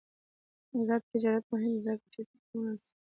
آزاد تجارت مهم دی ځکه چې تخمونه رسوي.